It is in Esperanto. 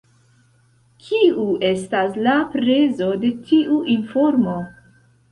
Kiu estas la prezo de tiu informo?